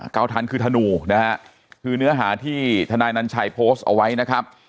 ทันคือธนูนะฮะคือเนื้อหาที่ทนายนัญชัยโพสต์เอาไว้นะครับ